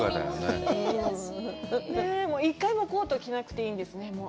１回もコート着なくていいんですね？